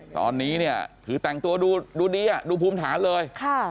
ตอนนี้เนี่ยคือแต่งตัวดูดีดูภูมิฐานเลย